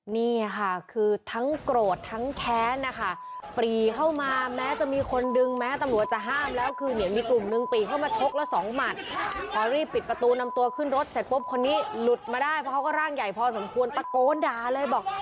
นี่ค่ะคือทั้งโกรธทั้งแค้นนะคะปรีเข้ามาแม้จะมีคนดึงแม้ตำรวจจะห้ามแล้วคือเนี่ยมีกลุ่มนึงปรีเข้ามาชกแล้วสองหมัดพอรีบปิดประตูนำตัวขึ้นรถเสร็จปุ๊บคนนี้หลุดมาได้เพราะเขาก็ร่างใหญ่พอสมควรตะโกนด่าเลยบอก